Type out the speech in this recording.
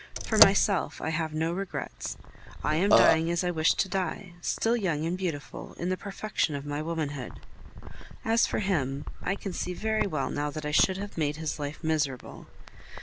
For myself, I have no regrets. I am dying as I wished to die, still young and beautiful, in the perfection of my womanhood. "As for him, I can see very well now that I should have made his life miserable.